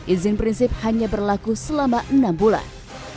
izin prinsip hanya berlaku selama enam bulan